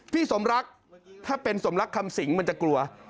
สมรักถ้าเป็นสมรักคำสิงมันจะกลัว